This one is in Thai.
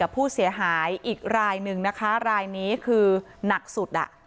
ผู้เสียหายอีกรายหนึ่งนะคะรายนี้คือหนักสุด